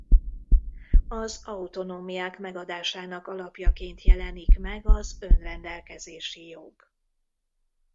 Az autonómiák megadásának alapjaként jelenik meg az önrendelkezési jog.